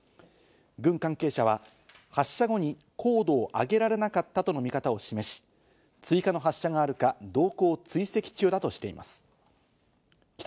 軍関係者は発射後に高度を上げられなかったとの見方を示し、追加の発射があるか動向を追跡中だとしています。